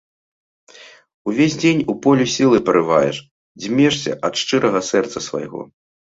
Увесь дзень у полі сілы парываеш, дзьмешся ад шчырага сэрца свайго.